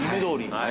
はい。